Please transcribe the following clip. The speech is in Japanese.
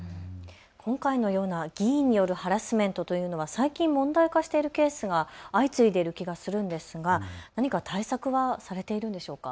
今回のような議員によるハラスメントというのは最近、問題化しているケースが相次いでいる気がするんですが何か対策はされているんでしょうか。